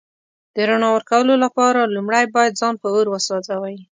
د رڼا ورکولو لپاره لومړی باید ځان په اور وسوځوئ.